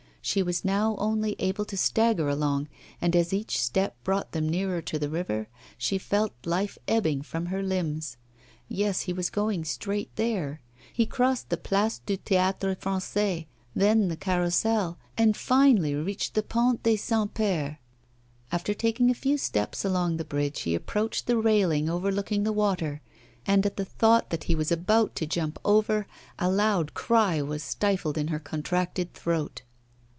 She was now only able to stagger along, and as each step brought them nearer to the river, she felt life ebbing from her limbs. Yes, he was going straight there; he crossed the Place du Théâtre Français, then the Carrousel, and finally reached the Pont des Saints Pères. After taking a few steps along the bridge, he approached the railing overlooking the water; and at the thought that he was about to jump over, a loud cry was stifled in her contracted throat.